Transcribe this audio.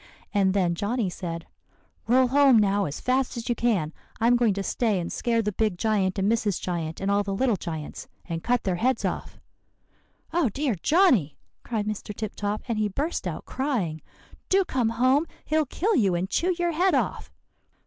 And then Johnny said, 'Roll home now as fast as you can; I'm going to stay and scare the big giant and Mrs. Giant and all the little giants, and cut their heads off.' "'Oh, dear, Johnny!' cried Mr. Tip Top, and he burst out crying, 'do come home. He'll kill you, and chew your head off.